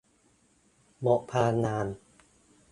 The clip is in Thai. หมดพลังงาน